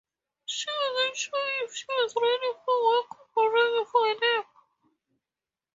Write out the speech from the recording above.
She wasn't sure if she was ready for work or ready for a nap.